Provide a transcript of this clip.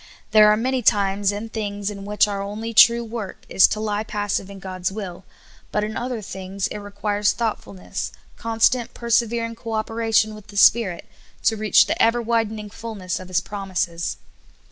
There are many times and things in which our onl}^ true work is to lie pas sive in God's will, but in other things it requires thoughtfulness, constant, persevering co operation with the Spirit, to reach the ever widening fullness of His promises.